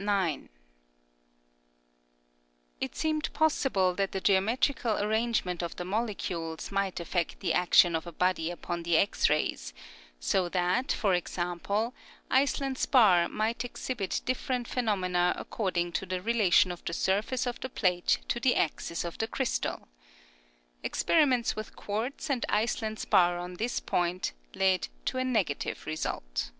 9. It seemed possible that the geometri cal arrangement of the molecules might affect the action of a body upon the X rays, so that, for example, Iceland spar might ex hibit different phenomena according to the relation of the surface of the plate to the axis of the crystal. Experiments with quartz and Iceland spar on this point lead to a negative result.